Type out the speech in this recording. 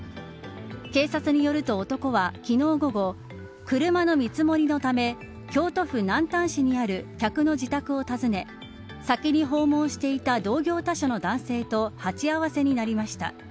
警察によると、男は昨日午後車の見積もりのため京都府南丹市にある客の自宅を訪ね先に訪問していた同業他社の男性と鉢合わせになりました。